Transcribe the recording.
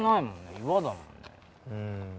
岩だもんね